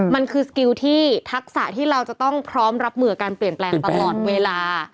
มันคือสกิลที่ทักษะที่เราจะต้องพร้อมรับมือกับการเปลี่ยนแปลงตลอดเวลา